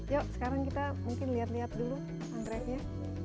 yuk sekarang kita mungkin lihat lihat dulu angkretnya